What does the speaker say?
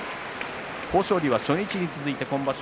豊昇龍は初日に続いて今場所